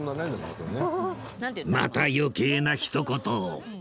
また余計なひと言を